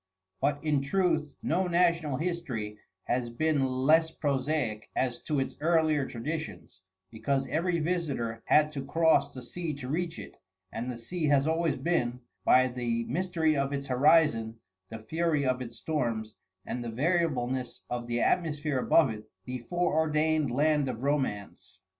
But in truth no national history has been less prosaic as to its earlier traditions, because every visitor had to cross the sea to reach it, and the sea has always been, by the mystery of its horizon, the fury of its storms, and the variableness of the atmosphere above it, the foreordained land of romance.